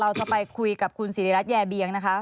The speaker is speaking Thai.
เราจะไปคุยกับคุณสิริรัตแยเบียงนะคะ